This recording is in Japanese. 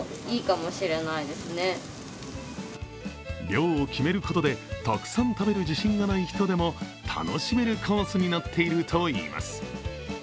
量を決めることで、たくさん食べる自信がない人でも楽しめるコースになっているといいます。